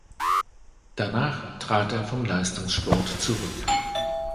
Danach trat er vom Leistungssport zurück.